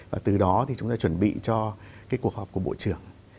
và từ đó thì chúng ta chuẩn bị cho cái cuộc họp của bộ trưởng